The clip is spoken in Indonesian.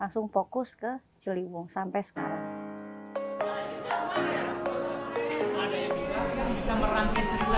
langsung fokus ke ciliwung sampai sekarang